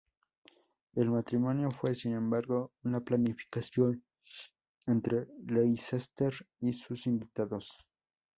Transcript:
El matrimonio fue, sin embargo, una planificación entre Leicester y sus invitados.